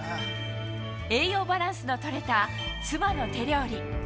栄養バランスのとれた妻の手料理。